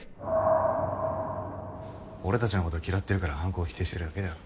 俺たちのことを嫌ってるから犯行を否定してるだけだよ。